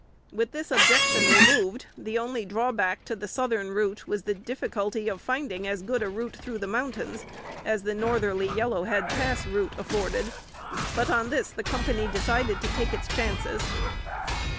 With this objection removed, the only drawback to the southern route was the difficulty of finding as good a route through the mountains as the northerly Yellowhead Pass route afforded, but on this the company decided to take its chances.